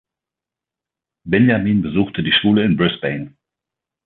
Benjamin besuchte die Schule in Brisbane.